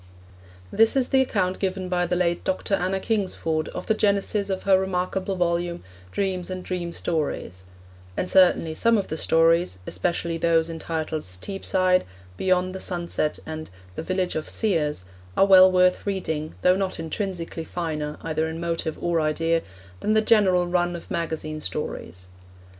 This is the account given by the late Dr. Anna Kingsford of the genesis of her remarkable volume, Dreams and Dream Stories; and certainly some of the stories, especially those entitled Steepside, Beyond the Sunset, and The Village of Seers, are well worth reading, though not intrinsically finer, either in motive or idea, than the general run of magazine stories.